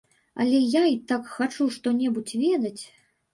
Але я й так хачу што-небудзь ведаць.